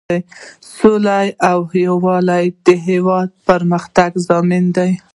سوله او یووالی د هیواد د پرمختګ ضامن دی.